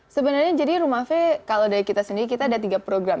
sebenarnya jadi rumah v kalau dari kita sendiri kita ada tiga program